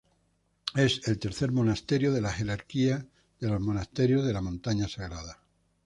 Es el tercer monasterio de la jerarquía de los monasterios de la Montaña Sagrada.